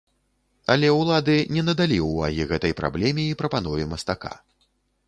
Але ўлады не надалі ўвагі гэтай праблеме і прапанове мастака.